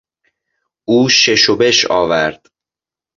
او شش و بش آورد.